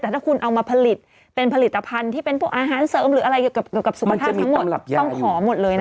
แต่ถ้าคุณเอามาผลิตเป็นผลิตภัณฑ์ที่เป็นพวกอาหารเสริมหรืออะไรเกี่ยวกับสุขภาพทั้งหมดต้องขอหมดเลยนะ